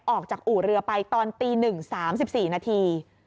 ออกจากอู่เรือไปตอนตี๑๓๔นาที